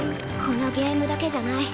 このゲームだけじゃない。